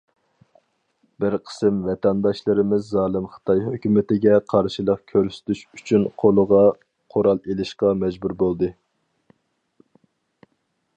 بىر قىسىم ۋەتەنداشلىرىمىز زالىم خىتاي ھۆكۈمىتىگە قارشىلىق كۆرسىتىش ئۈچۈن قولىغا قورال ئىلىشقا مەجبۇر بولدى .